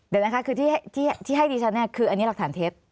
เดี๋ยวนะคะคือที่ให้ดิฉันเนี่ยคืออันนี้หลักฐานเท็จ